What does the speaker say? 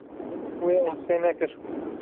Wê asê nekir.